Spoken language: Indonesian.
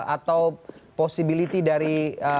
atau posibiliti dari